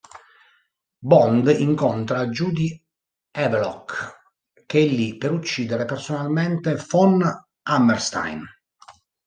Bond incontra Judy Havelock che è lì per uccidere personalmente von Hammerstein.